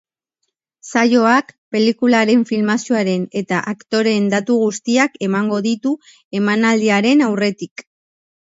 Saioak pelikularen filmazioaren eta aktoreen datu guztiak emango ditu emanaldiaren aurretik.